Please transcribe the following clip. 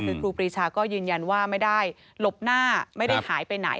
คือครูปรีชาก็ยืนยันว่าไม่ได้หลบหน้าไม่ได้หายไปไหน